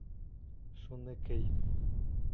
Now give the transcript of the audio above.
Шуны кей!